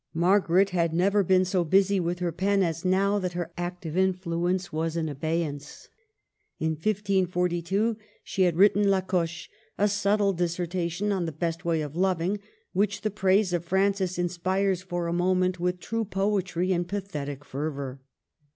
Margaret had never been so busy with her pen as now that her active influ ence was in abeyance. In 1542 she had written " La Coche," a subtle dissertation on the best way of loving, which the praise of Francis in spires for a moment with true poetry and pathetic fervor.